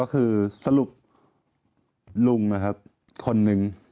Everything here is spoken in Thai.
ก็คือสรุปลุงนะครับคนนึง